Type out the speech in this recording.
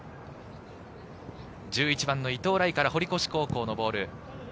１１番・伊東來から堀越高校のボール。